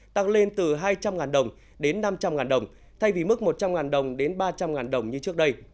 tăng lên từ hai trăm linh đồng đến năm trăm linh đồng thay vì mức một trăm linh đồng đến ba trăm linh đồng như trước đây